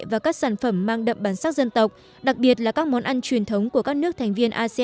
và các sản phẩm mang đậm bản sắc dân tộc đặc biệt là các món ăn truyền thống của các nước thành viên